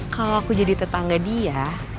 kalau aku jadi tetangga dia